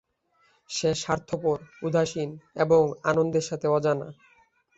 সে স্বার্থপর, উদাসীন এবং আনন্দের সাথে অজানা।